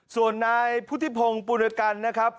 ส่วนนายพุทธิพงศ์ปุริกันนะครับ